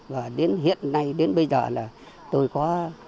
và đến hiện nay đến bây giờ là tôi có